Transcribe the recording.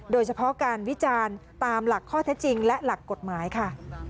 โดยเฉพาะการวิจารณ์ตามหลักข้อเท็จจริงและหลักกฎหมายค่ะ